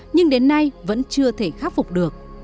nhưng đến nay vẫn chưa thể khắc phục được